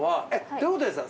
どういうことですか？